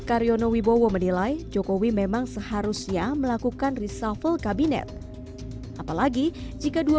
karyono wibowo menilai jokowi memang seharusnya melakukan reshuffle kabinet apalagi jika dua